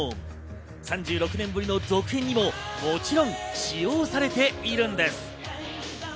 ３６年ぶりの続編にももちろん使用されているんです。